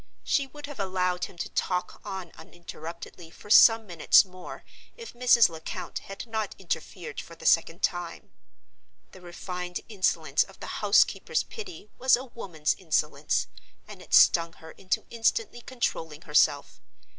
She would have allowed him to talk on uninterruptedly for some minutes more if Mrs. Lecount had not interfered for the second time. The refined insolence of the housekeeper's pity was a woman's insolence; and it stung her into instantly controlling herself.